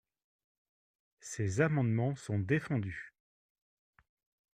Ces amendements sont défendus.